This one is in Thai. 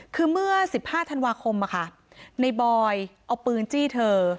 คือเมื่อสิบห้าธันวาคมอะค่ะในบอยเอาปืนจี้เธอ